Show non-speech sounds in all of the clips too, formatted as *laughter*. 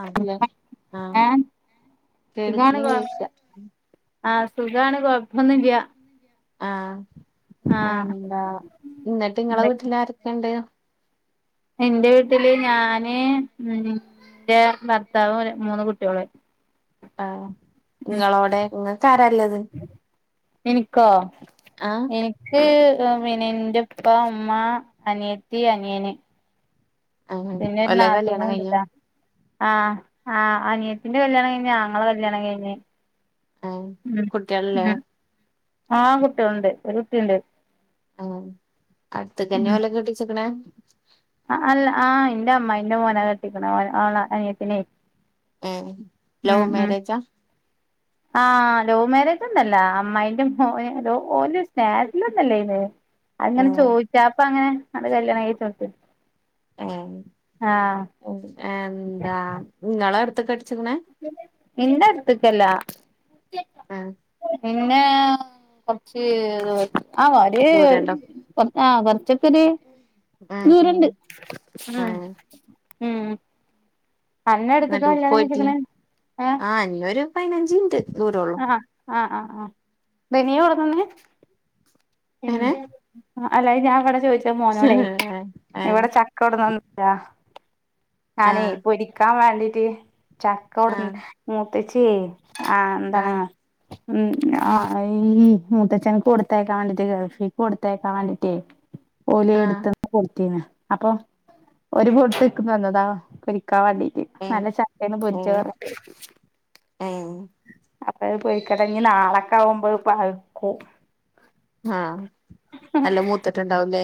ആഹ് ആഹ് ഏഹ് സുഖാണ് കൊ കേൾക്കില്ലേ യ്ച്ച ആഹ് സുഖാണ് കൊഴപ്പന്നുല്ല ആഹ് ആഹ് ആന്താ ന്നിട്ട് ങ്ങളെ എന്ത വീട്ടില് ആരൊക്കെണ്ട് എന്റെ വീട്ടില് ഞാന് ഉം ഇന്റെ ഭർത്താവും മൂന്ന് കുട്ടികള് ആഹ് ഇങ്ങളോടെ ഇങ്ങക്കാരല്ലത് എനിക്കോ ആഹ് ഇനിക്ക് പിന്നെ ഇന്റെപ്പ ഇമ്മ അനിയത്തി അനിയേൻ ആഹ് പിന്നെരു ഓലെ കല്യാണം കഴിഞ്ഞോ നാതൂന്ണ്ട്ട്ടാ ആഹ് ആഹ് അനിയത്തിന്റെ കല്യാണം കഴിഞ് ആങ്ങള കല്യാണം കഴിഞ് ഏഹ് ഉം കുട്ടികളില്ലേ ഉം ആഹ് കുട്ടികള്ണ്ട് ഒരു കുട്ടിയ്ണ്ട് ആഹ് അടുത്ത്ക്കന്നെ ഓലെക്കെ കെട്ടിച്ച്ക്ക്ണേ ആഹ് അല്ല ആഹ് ഇന്റെ അമ്മായിന്റെ മോന കെട്ടിക്ക്ണെ ഓളെ അനിയത്തിനെ ഉം ഉം ലവ് ഉം മോരേജാ? ആഹ് ലൗ മേരേജ് ഒന്നുല്ല അമ്മായിന്റെ മോന് ഓല് സ്നേഹത്തിലൊന്നല്ലേനി ഇത് അങ്ങനെ ഏഹ് ചോദിച്ച് അപ്പ അങ്ങനെ അത് കല്യാണം കഴിച്ചോട്ത്ത് ഏഹ് എന്താ നിങ്ങളെ അടുത്ത് ക്ക കെട്ടിച്ചിക്കണേ ഇൻ്റട്ത്ത്ക്കല്ല ആഹ് പിന്നെ കൊറച്ച്ത് ആ വാ അത് ദൂരണ്ടോ ആഹ് കൊറച്ചൊക്കൊര് ഉം ഉം ഉം ആഹ് ഉം അന്നെ അടുത്ത്ക്കാ എന്നിട്ട് കല്യാണം പോയിട്ടില്ല കഴിച്ച്ക്ക്ണ് ഏഹ് ആ ഞ്ഞൊരു പതിനഞ്ച് മിനിറ്റ് യുറോ ആഹ് ആഹ് ആഹ് ആ ബനിയ കൊടു ന്നിനി എങ്ങനെ അല്ലെ ഞാൻ ഇവിടെ ചോദിച്ചത് മോനോടെ ആ ഇവിടെ കൊട്ന്നോന്ന് ചോദിച്ചാ ആ ഞാനേ പൊരിക്കാൻ വേണ്ടീട്ട് ചക്ക കൊട ആ മൂത്തച്ചി ആഹ് ആ എന്താണ് ഉം ആഹ് ഈ മൂത്തച്ഛൻ ക്ക് കൊടുത്തേക്കാൻ വേണ്ടിട്ട് ഗൾഫിക്ക് കൊടുത്തേക്കാൻ വേണ്ടിട്ടേ ഓല് ആ എടുത്തന്ന് കൊട്ത്തീന് അപ്പൊ ഒരു പൊട്ട് ഇൻകും തന്നിന് എന്താ പൊരിക്കാൻ വേണ്ടിട്ട് ഏ നല്ല ചക്കന്ന് ഏ പൊരിച്ച വേ ഏ അപ്പൊത് പോയിക്കടങ്ങി നാളൊക്കെ ആകുമ്പോ പഴുക്കും ആഹ് നല്ല മൂത്തിട്ടുണ്ടാവൂല്ലേ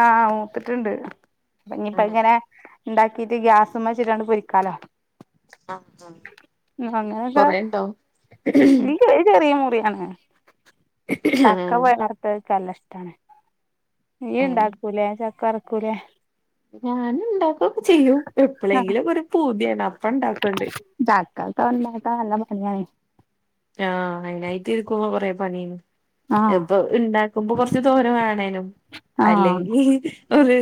ആഹ് മൂത്തിട്ടുണ്ട് ആ ഇനിപ്പങ്ങനെ ഉണ്ടാക്കീട്ട് ഗ്യാസ് മല് വച്ചിട്ടാണ്ട് പൊരിക്കാലോ ആഹ് ആഹ് അങ്ങനക്കെ നീ ചെറിയ മുറിയാണ് ചക്ക വടത്തോൽക്ക് നല്ല ഇഷ്ടമാണ് നീ ഏ ഉണ്ടാക്കൂ ലെ ചക്കറക്കൂലെ ഞാന് ഉണ്ടാക്കുക്കെ ചെയ്യും ആഹ് എപ്പഴെങ്കിലും ഒരു പൂതിയാണ് അപ്പ ഇണ്ടാക്കണ്ട് ചക്കക്കെണ്ടാക്ക നല്ല പണിയാണ് ആഹ് അതിനനായിട്ട് ഇരിക്കുമ്പോ കൊറേ പണിയാണ് ആഹ് ഇപ്പൊ ഉണ്ടാക്കുമ്പോ കൊറച്ച് തോനെ വേണാനും ആഹ് അല്ലെങ്കി ഒരു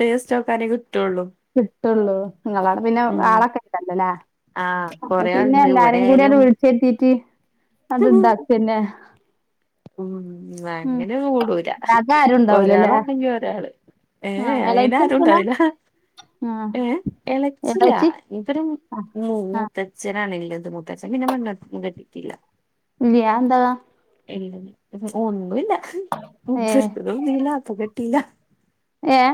ടേസ്റ്റ് നോക്കാനേ കിട്ടുള്ളൂ കിട്ടുള്ളൂ നിങ്ങളാടെ പിന്നെ ഉം ആളൊക്കെ ഇണ്ടല്ലോല്ലേ ആ അപ്പൊ കൊറേ പിന്നെ ആളുണ്ട് ഇവിടെ എല്ലാരേും കൂടി ആണ്ട് ആയാലും വിളിച്ചെരിത്തിട്ട് അത് ഇണ്ടാക്കന്നെ ഉം ഉം അങ്ങനെ ഒന്നും കൂടൂല ഉണ്ടാക്കാൻ ആരും ഉണ്ടാവൂലല്ലേ ഒരാളാണങ്കി ഒരാള് ഏ എ ആഹ് അയിന് എളേച്ചി ഉണ്ടാക്കൂല ആരുണ്ടാവില്ല ആഹ് എന്താച്ചി ഇവരും മൂത്തച്ഛനാണ്ല്ലത് മൂത്തച്ഛൻ പിന്നെ പെണ്ണ്ട്ടിട്ടില്ല ല്ല്യേ അതെന്താ ഇല്ല ഒന്നുല്ല ഏഹ് മൂപ്പർക്ക് തോന്നില്ല അപ്പൊ കെട്ടില്ല ഏഹ്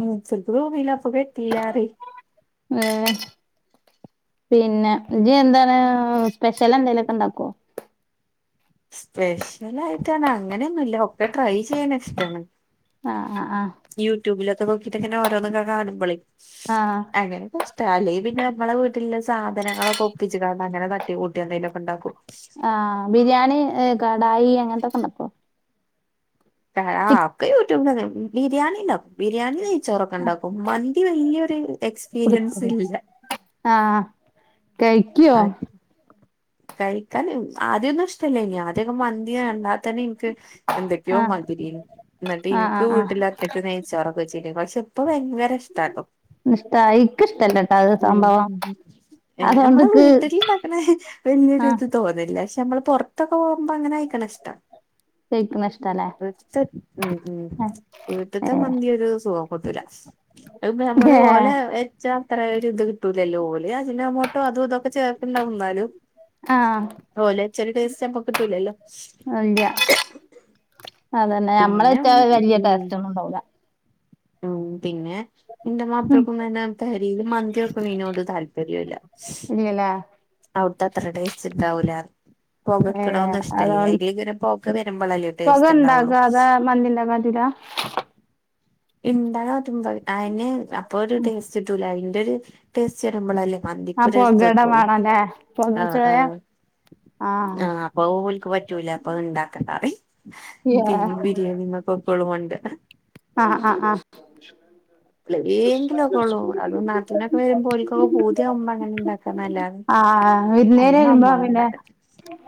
ഉം ഇച്ചപ്പൊ തോന്നില്ല അപ്പ കെട്ടില്ലാറിം ഉം പിന്നെ ജ് എന്താണ് സ്പെഷ്യൽ എന്തേലുമൊക്കെ ഉണ്ടാക്കോ സ്പെഷ്യൽ ആയിട്ടാണ് അങ്ങനെയൊന്നുംല്ല ഒക്കെ ട്രൈ ചെയ്യാനിഷ്ടാണ് ആഹ് ആഹ് ആഹ് യൂട്യൂബിലൊക്കെ നോക്കിട്ട് ഇങ്ങനെ ഓരോന്നൊക്കെ കാണുമ്പോളേ ആഹ് അങ്ങനെയൊക്കെ അല്ലേ പിന്നെ നമ്മളെ വീട്ടിലെ സാധനങ്ങളൊക്കെ ഒപ്പിച്ച് അങ്ങനെ തട്ടി കൂട്ടി എന്തെങ്കലുമൊക്കെ ഉണ്ടാക്കും ആഹ് ബിരിയാണി കടായി അങ്ങനത്തൊക്കെണ്ടക്കോ ആഹ് ഒക്കെ യൂട്യൂബ്ലന്നെ ബിരിയാണിണ്ടക്കും ബിരിയാണി ച്ചോറക്കെ ഉണ്ടാക്കും മന്തി വല്യൊരു കൊടുത്ത എക്സ്പീരിയൻസ് ഇല്ല ആഹ് കഴിക്യോ ആ കഴിക്കാൻ ആദ്യമൊന്നും ഇഷ്ടല്ലേനി ആദ്യ മന്തി കണ്ടാ തന്നെ ഇന്ക്ക് എന്തയോ ആഹ് മാതിരി ഏനി ന്ന്ട്ട് ആഹ് ഇൻക്ക് ആഹ് ആഹ് വീട്ടിലാറ്റ നെയ്ച്ചോറ്കെ വെച്ചിനെ പക്ഷെ ഇപ്പ ഭയങ്കര ഇഷ്ടാട്ടോ ഇഷ്ടായി ഇക്ക് ഇഷ്ടല്ല ട്ടോ അഹ് സംഭവം ഏ ഞമ്മളെ അതുകൊണ്ട്ക്ക് വീട്ടിൽണ്ടാക്കണെ വലിയൊരു ആഹ് ഇത് തോന്നില്ല പക്ഷെ നമ്മള് പുറത്തൊക്കെ പോകുമ്പോ അങ്ങനെ അയിക്കണ ഇഷ്ടാ കഴിക്ക്ണ സ്റ്റാ *unintelligible* ഉം ഉം വീട്ട്ത്തെ മന്തി ഒരു സുഖം കിട്ടൂല ആഹ് നമ്മള് ഓലെ ഏഹ് *unintelligible* ച്ച അത്ര ഒരുത് കിട്ടൂലലോ ഓല് അജ് നാമോട്ടോ അതും ഇതൊക്കെ ചേർക്ക്ണ്ടാവും ന്നാലും ആഹ് ഓല് വെച്ചരു ടെസ്റ്റ് അപ്പം കിട്ടൂലല്ലോ ഇല്ല അതന്നെ ഞമ്മള് പിന്നെ ഉം വെച്ചാ വല്യയ ടേസ്റ്റ് ഒന്നുണ്ടാവുല്ല ഉം പിന്നെ ഇന്റെ ഉം മാപ്പള്ക്കും തന്നെ പരീൽ മന്തി വൊക്കും ഇനോട് താല്പര്യല്ല ഇല്ലല്ലേ അഹുട്ത്തെ അത്ര ടേസ്റ്റ് ഉണ്ടാവുല്ല പകക്ക്ണ ഏഹ് ഒന്ന് ഇഷ്ടല്ല അതുകൊണ്ട് അയില് ഇങ്ങനെ പോക വരുമ്പളല്ലേ ടേസ്റ്റ് ഉണ്ടാവുള്ളൂ സാധാ മന്തി ഇണ്ടാക്കാ പറ്റുല്ല ഇണ്ടാ *unintelligible* അയിന് അപ്പൊ ഒരു ടേസ്റ്റ് കിട്ടൂല അയിന്റെ ഒരു ടേസ്റ്റ് വരുമ്പളല്ലേ മന്തിക്ക് ആഹ് ഒരു ത് പൊകേടെ കിട്ടള്ളു വേണല്ലേ ആഹ് പൊകച്ചോയ ആഹ് ആഹ് അപ്പം ഓല്ക്ക് പറ്റൂല അപ്പഹ് ഇണ്ടാക്കണ്ടാറി പിന്നെ ബിരിയാണി ന്നപ്പം എപ്പളും കോൺണ്ട്ര ആഹ് ആഹ് ആഹ് *unintelligible* ലെങ്കിലും ഒക്കെ ഉള്ളൂ അതും നാത്തൂൻ ഒക്കെ വരുമ്പോ ഓല്ക്ക് പൂതിയാവുമ്പ അങ്ങനെ ഉണ്ടാക്കാ നല്ലാതെ ആഹ് വിരുന്നേര് വരുമ്പോ പിന്നെ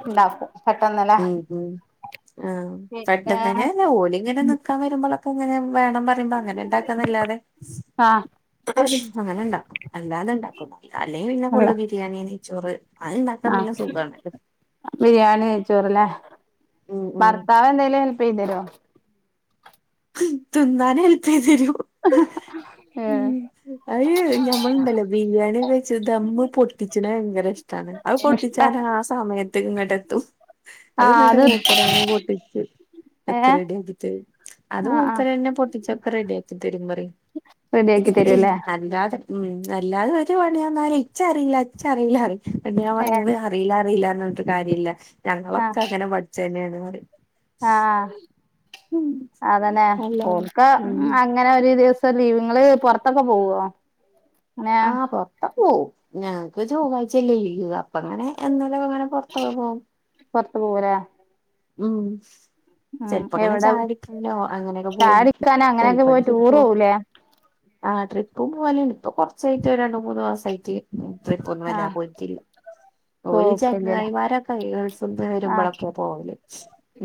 ഉണ്ടാക്കും പെട്ടന്ന് ലെ ഉം ഉം ആഹ് പെട്ടന്ന് തന്നെ ഓല് ഇങ്ങനെ നിക്കാൻ വരുമ്പോളൊക്കെങ്ങനെ വേണം പറയ്ബ അങ്ങനെ ഉണ്ടാക്കാന്നല്ലാതെ ആഹ് അങ്ങനെ ഉണ്ടാക്കും അല്ലാതെ ഉണ്ടാക്കും അല്ലെങ്കി പിന്നെ അല്ല ഫുള്ള് ബിരിയാണി നെയ്ച്ചോറ് അഹ് ണ്ടാക്കാൻ ആഹ് പിന്നെ സുഖാണല്ലോ ബിരിയാണി ച്ചോറ്ല്ലേ ഉം ഉം ഭർത്താവ് എന്തെലും ഹെല്പ് ചെയ്ത് തെരോ തിന്നാന് എല്പ് ചെയ്തരു ഏ അഹ് ഞമ്മള് ഇണ്ടല്ലേ ബിരിയാണി വെച്ച് ദമ്മ് പൊട്ടിച്ച്ണെ ഭയങ്കര ഇഷ്ടാണ് ആഹ് ഇഷ്ട പൊട്ടിച്ചാന് ആഹ് സമയത്ത് ഇങ്ങട്ടത്തും അഹ് ആഹ് ന്ന്ട്ട് അത് മൂപ്പര് തന്നെ പൊട്ടിച്ച് ഒകെ ഏഹ് റെഡിയാക്കി തരും അത് ആഹ് ആഹ് മൂപ്പര് എന്നെ പൊട്ടിച്ചൊക്കെ റെഡി ആക്കി തരും പറി റെഡിയാക്കി തരുല്ലേ അല്ലാതെ ഉം അല്ലാതെ വരു പണ്ണിയർ ഞാൽ ഇച്ചറീല്ല അച്ചറീല്ല പറിം *unintelligible* ഞാൻ പറയും പണിയാൻ പറയ അറീല്ല അറീല്ല എന്നിട്ട് കാര്യല്ല ഞങ്ങളൊക്കെ ആഹ് അങ്ങനെ പഠിച്ച ന്നെണ് പറി ആഹ് അതന്നെ അല്ലാതെ ഓൽക്ക് ഉം ആഹ് ഇങ്ങനെ ഒരു ദിവസം ലീവ് ങ്ങള് പോറത്തൊക്കെ പോവോ അങ്ങനെ ആഹ് പോറത്തൊക്കെ പോവും ഞക്ക് ചൊവ്വാഴ്ച്ചല്ലേ ലീവ് അപ്പ അങ്ങനെ എന്നല്ല അങ്ങനെ പോറത്തൊക്കെ പോവും പോറത്ത് പോവുലെ ഉം ഉം ചെലപ്പങ്ങനെ എവിടെ ചായടിക്കാനോ അങ്ങനെയൊക്കെ പോകും ചായുടിക്കാന് അങ്ങനെയൊക്കെ ചെപ്പ പോയി ട്രിപ്പ് ടൂറ് പോകും പോവൂലേ ആഹ് ട്രിപ്പും പോലണ്ട് ഇപ്പൊ കൊറച്ചായിട്ട് ഒരു രണ്ടു മൂന്ന് മാസായിട്ട് മൂപ്പര് കൊന്നു വല്ലാതെ ആഹ് പോയിട്ടില്ല ഓല് പോക്കില്ലല്ലേ ചങ്ങായിമാരക്കെ ഗൾഫ്ന്ന് ആഹ് വരുമ്പോളൊക്കെ പോവല്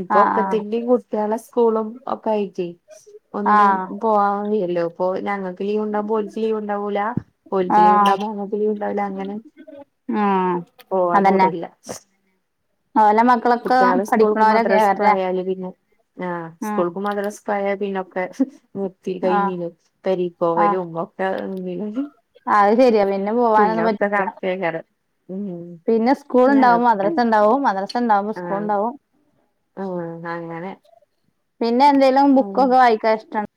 ഇപ്പൊ ആഹ് ഒക്കത്തിന്റിം കുട്ടികളെ സ്കൂളും ഒക്കെ ആയിറ്റേ ഒന്നിനും ആഹ് പോവാല്ലോ ഇപ്പൊ ഞങ്ങൾക്ക് ലീവ് ഉണ്ടാവോ ഓലിക്ക് ലീവ്ണ്ടാവൂല ആഹ് ഓലിക്ക് ലീവ് ആഹ് ഉണ്ടാവുംമ്പോ ഞമ്മക്കും ലീവ് ഉണ്ടാവില്ല അങ്ങനെ ഉം പോവാൻ അതന്നെ കൂടല്ല *unintelligible* കുട്ടികളെ സ്കൂൾ മദ്രാസ പഠിക്കണോരൊക്കെയാല്ലേ പോയാല് പിന്നെ ആ ഉം സ്കൂൾ മദ്രസ് പഴ പിന്നൊക്കെ നിർത്തി ആഹ് കഴിഞ്ഞില്ലെ പെ രി ആഹ് ക്ക്പ്പോവലും ഒക്കെ *unintelligible* അത് ശരിയാ പിന്നെ പോവാനൊന്നും പിന്ന ഒക്കെ പറ്റില്ല കണക്ക് തന്നെയാണ് ഉം പിന്നെ സ്കൂൾ ഉണ്ടാവുമ്പോ ഞങ്ങക്ക് മദ്രസ ഉണ്ടാവും മദ്രസ ഉണ്ടാവുമോ സ്കൂൾ ഉണ്ടാവും ഉ അങ്ങനെ പിന്നെ എന്തേലും ബുക്കൊക്കെ വായിക്കാ ഇഷ്ടമാണ്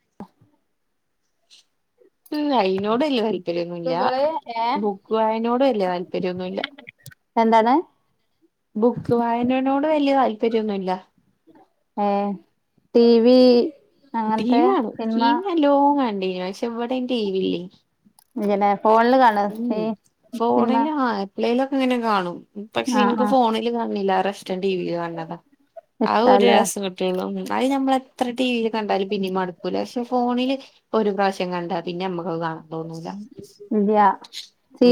ഉ അയിനോട്‌വ ല്യ താല്പര്യം ഉന്നുമില്ല ബുക്കുകള് ഏഹ് ബുക്കുവായനോട് ഡ്യ വല്യതാല്പര്യം ഒന്നുമില്ല എന്താണ് ബുക്ക് വായനനോട് വല്യയ താല്പര്യം ഒന്നുമില്ല ഏ ടി വി ടി വി അങ്ങനത്തെ കാണും ടി. സിനിമ വി നല്ലോണം കാണണ്ടെനിപക്ഷെ ഇവിടെ ടി. വി ഇല്ലേ എങ്ങനെ ഫോണില് കാണ ഉം ഫോണില് കാ പപ്പളേലൊക്കെ ഇങ്ങനെകാണും പക്ഷെ ആഹ് എനിക്ക് ആഹ് ഫോണില് കാണില്ല റസ്റ്റൻ ടിവിയിൽ കാണതാ ആ ഒരു ഇഷ്ടല്ലേ രസം കിട്ടുള്ളു അത് നമ്മള എത്ര ടിവിൽ കണ്ടാലും പിന്നെയും മടുക്കൂല പക്ഷെ ഫോണില് ഒരു പ്രാവശ്യം കണ്ട പിന്നെ നമ്മക്ക്ത് കാണാൻ തോന്നൂല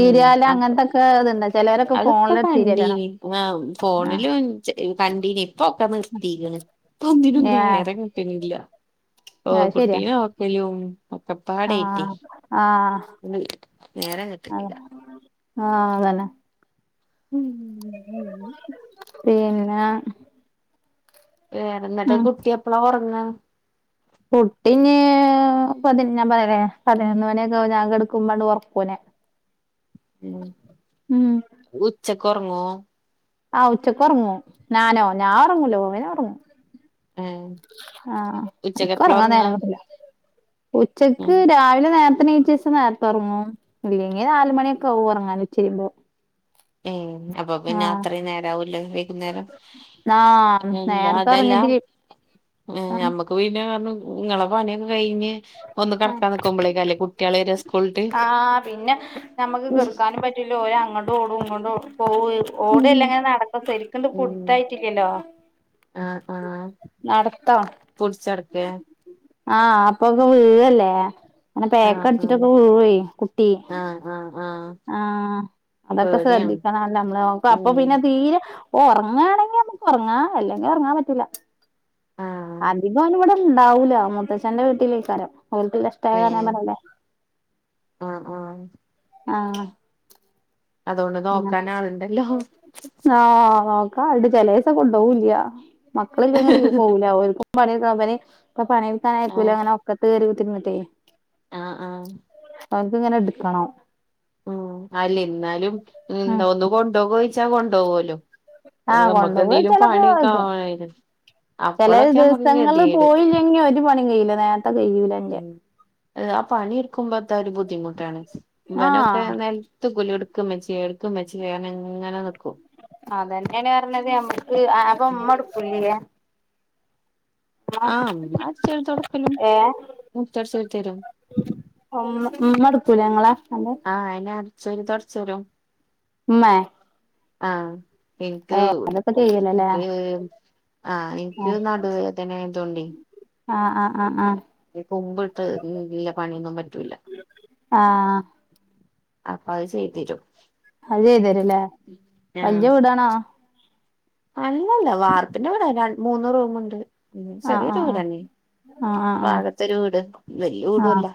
ഉം അപ്പൊ അങ്ങനത്തൊക്കെ ഇത്ണ്ട അതൊക്കെ കണ്ടീനി ആഹ് ഫോണിലും കണ്ടീ നി ഇപ്പൊക്കെ നിർത്തിക്കണ് ഇപ്പ ഏഹ് ഒന്നിനുംനേരംകിട്ടുന്നില്ല ഓ കുട്ടീനെ നോക്കലും ഒക്കപ്പാടായിട്ടേ ആഹ്ആഹ് *unintelligible* നേരം കിട്ടുന്നില്ല ആഹ്അതന്നെ ഉം ഉം പിന്നെ വേറെ എന്നിട്ട് ഉം കുട്ടി എപ്പളാ ഉറങ്ങ കുട്ടി നീഞാൻ പറഞ്ഞല്ലേ പതിനൊന്ന് മണിയൊക്കെ ആകുമ്പോ ഞാൻ കിടക്കുമ്പോൾ ഉറക്കും അവനെ ഉം ഉം ഉച്ചക്ക് ഒറങ്ങോ ആഹ് ഉച്ചയ്ക്ക് ഉറങ്ങും ഞാനോ ഞാൻ ഉറങ്ങൂലോ ഓവന ഉറങ്ങും ഏഹ് ആഹ് ഉച്ചക്ക് ഇക്ക് എപ്പളാ ഉറങ്ങാൻ ഒറങ്ങാ നേരംകിട്ടില്ല ഉച്ചക്ക് ഉം രാവിലെ നേര ഇപ്പനേച്ച ദിസം നേരത്തെ ഉറങ്ങും ഇല്ലെങ്കിൽ നാല് മണിയൊക്കെ ആകും ഉറങ്ങാൻ ഉച്ച കഴിയുമ്പോ ഏ അപ്പൊ പിന്നെ അത്രയും നേരം ആവുലെ വൈകുന്നേരം ആഹ് നേരത്തെ അതെല്ലാം ഒറങ്ങീട്ട് ആഹ് നമ്മക്ക് *unintelligible* ഇങ്ങളെ പണിക്കെ കഴിഞ്ഞ് ഒന്ന് കടക്കാ നക്കുമ്പോളേക്ക അല്ലേ കുട്ടികളെ ആഹ് പിന്നെ നമ്മുക്ക് കിടക്കാനും പറ്റൂല ഓര അങ്ങോട്ടും ഓടും ഇങ്ങോട്ടും ഓ പോവ ഓടല്ല ഇങ്ങനെ നടക്ക ശരിക്കുംന്ത് ഉം പുടുത്തായിട്ടില്ലല്ലോ ആഹ് ആഹ് ആഹ് നടത്തോ പുടിച്ചടക്കേ ആഹ് അപ്പൊക്കെ വീഴല്ലേ അങ്ങനെ ബാക്ക് ആഹ് അടിച്ചിട്ടൊക്കെ വീഴുവേ കുട്ടി ആഹ് ആഹ് ആഹ് ആഹ്അതൊക്കെ പേടിയാണ് ശ്രദ്ധിക്കണംല്ല നമ്മള് നോക്ക അപ്പൊ ഉം പിന്നെ തീരെ ഉറങ്ങാണെങ്കി നമുക്ക് ഉറങ്ങാം അല്ലെങ്കിൽ ഉറങ്ങാൻ പറ്റില്ല ആഹ് അധികം ഓനിവ ടെ ഉണ്ടാവൂല മുത്തച്ഛന്റെ വീട്ടിലേക്കാരം സ്റ്റേ ഏ പറഞ്ഞ പറഞ്ഞില്ലേ ആഹ് ആഹ്. ആഹ്. അതുകൊണ്ട് അങ്ങനെ നോക്കാൻ ആളിണ്ടല്ലോ. ആഹ് നോക്കാ, അടെ ചെലോസം കൊണ്ട് പോവുല്ലാ. മക്കള് ഇല്ലെങ്കിലെ പോവൂല്ല പണിയൊക്കെ ആകുമ്പോഴേ, ഇപ്പോ പണിയെടുക്കാൻ ആഹ് ആയിരിക്കുവല്ലേ അങ്ങനെ ഒകത്ത് കേറി ഇരുന്നിട്ട്. ആഹ് ആഹ്. അത് ഇങ്ങനെ എടുക്കണം. ഉം അല്ല ഇന്നാലും ഉം എന്താ ഒന്ന് കൊണ്ടുപോ ചോദിച്ചാൽ കൊണ്ടപോകുവല്ലോ. ആഹ് നമ്മക്ക് എന്തേലും കൊണ്ടോവോയ്ച്ചാലൊക്കെ പണിക്കായിരുന്നു. ചില ദിവസങ്ങള് പോയില്ലെങ്കി ഒരു പണി കഴയില്ല നേരത്തെ കഴൂലന്റെ. ആഹ് ആ പണി എടുക്കുമ്പത്തെ ഒരു ബുദ്ധിമുട്ടാണ് ഇവനൊക്കെ ആഹ് നിക്കുലഎടുക്ക് ഇമ്മച്ചിയെ എടുക്ക്‌ ഇമ്മച്ചിയെ അവനിങ്ങനെ നിൽക്കും. അതന്നെയാണ് പറഞ്ഞത് നമ്മക്ക്, അപ്പൊ ഉമ്മ എടുകുല്ലേ? ആഹ് അമ്മ ചെറുതൊടക്കലും മുറ്റടിച്ച്തരും. ആഹ് നിമടുക്കൂല നിങ്ങളെ ആഹ് അയിന് അടിച്ചുവാരി തൊടച്ചു തരും. മ്മേ ആഹ് എനിക്ക് അതൊക്കെ ചെയ്യലല്ലേ *unintelligible* ആഹ് എനിക്ക് നടു വേദന ആയതുകൊണ്ടേ. ആഹ് ആഹ് ആഹ് ആഹ്. കുമ്പിട്ട് ഇല്ല പണിയൊന്നും പറ്റൂല്ല. ആഹ്. അപ്പൊ അത് ചെയ്തിരും. അത് ചെയ്യത് തരൂല്ലേ, ആഹ് വല്ല്യ വീടാണോ? അല്ലല്ല, വാർപ്പിന്റെ വീടാ ര മൂന്ന് റൂമുണ്ട്. ഉം ആഹ് ചെറിയൊരു ആഹ് വീടണെ ആഹ് ആഹ് പാകത്തൊരു വീട് വല്യ ആഹ് ആഹ് വീടുംവല്ല.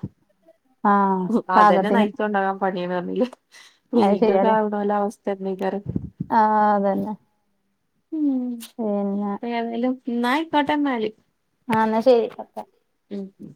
ആഹ് ഉവ്വ് അതന്നെ പാകത്തിന് നയിച്ചോണ്ടാകാം. പണിയണാരുനെകിൽ അത് ശരിയാല്ലേ *unintelligible* ആഹ് അതന്നെ. ഉം പിന്നെ ഏതായാലും എന്നാ ആയിക്കോട്ടെന്നാല്. ആഹ് എന്നാ ശരി. ഉം ഉം.